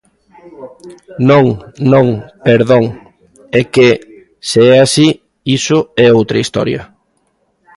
Non, non, perdón, é que, se é así, iso é outra historia.